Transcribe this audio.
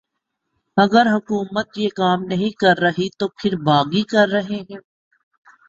اگر حکومت یہ کام نہیں کررہی تو پھر باغی کررہے ہیں